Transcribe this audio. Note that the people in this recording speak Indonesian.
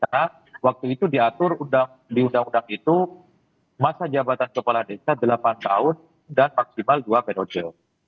karena waktu itu diatur di undang undang itu masa jabatan kepala desa delapan tahun dan maksimal dua periode